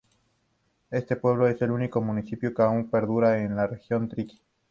Este pueblo es el único municipio que aún perdura en la región triqui.